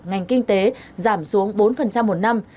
ngành kinh tế giảm xuống bốn một năm